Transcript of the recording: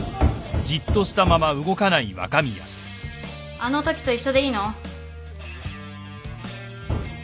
・あのときと一緒でいいの？